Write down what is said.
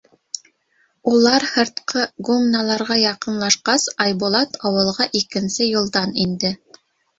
Улар һыртҡы гумналарға яҡынлашҡас, Айбулат ауылға икенсе юлдан инде.